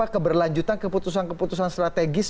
keberlanjutan keputusan keputusan strategis